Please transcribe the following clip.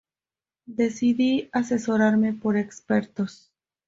decidí asesorarme por expertos